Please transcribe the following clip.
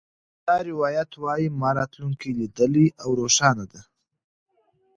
دا روایت وایي ما راتلونکې لیدلې او روښانه ده